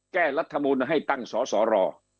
แก้รัฐมูลให้ตั้งสอสอร